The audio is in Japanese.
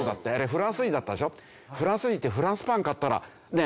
フランス人ってフランスパン買ったらねえ？